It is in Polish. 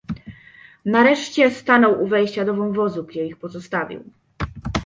"Nareszcie stanął u wejścia do wąwozu, gdzie ich pozostawił."